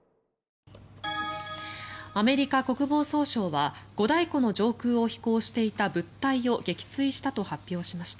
アメリカ国防総省は五大湖の上空を飛行していた物体を撃墜したと発表しました。